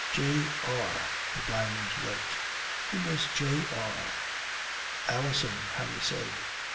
J.R., the diamonds wrote. Who was J.R.? "Alison," Harry said.